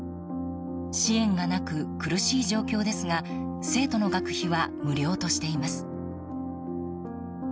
支援がなく苦しい状況ですが生徒の学費は無料としています。